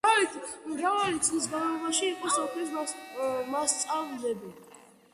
მრავალი წლის განმავლობაში იყო სოფლის მასწავლებელი.